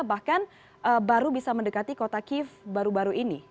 bahkan baru bisa mendekati kota kiev baru baru ini